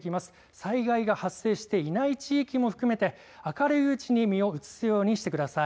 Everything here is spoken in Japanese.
災害が発生していない地域も含めて明るいうちに身を移すようにしてください。